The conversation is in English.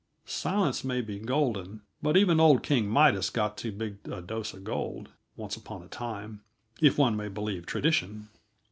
Silence may be golden, but even old King Midas got too big a dose of gold, once upon a time, if one may believe tradition.